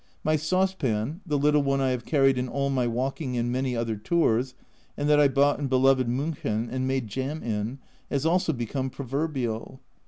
My saucepan (the little one I have carried in all my walking and many other tours, and that I bought in beloved Miinchen and made jam in) has also become pro verbial.